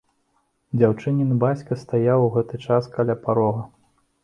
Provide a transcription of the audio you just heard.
Дзяўчынін бацька стаяў у гэты час каля парога.